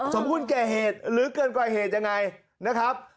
สมบูรณแก่เหตุหรือเกินกว่าเหตุยังไงนะครับ